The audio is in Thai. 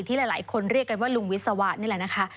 ที่หลายคนเรียกกันว่าลุงวิศวะนี่แหละนะคะ